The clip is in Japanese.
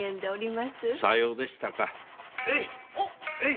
さようでしたか。